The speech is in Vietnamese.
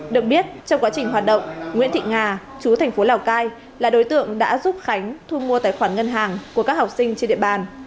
được biết trong quá trình hoạt động nguyễn thị nga chú thành phố lào cai là đối tượng đã giúp khánh thu mua tài khoản ngân hàng của các học sinh trên địa bàn